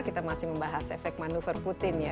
kita masih membahas efek manuver putin ya